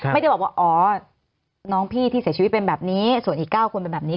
ไม่ได้บอกว่าอ๋อน้องพี่ที่เสียชีวิตเป็นแบบนี้ส่วนอีก๙คนเป็นแบบนี้